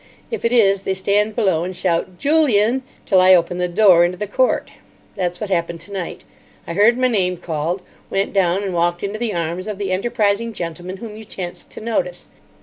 If it is, they stand below and shout, 'Julian,' till I open the door into the court. That's what happened tonight. I heard my name called, went down, and walked into the arms of the enterprising gentlemen whom you chanced to notice.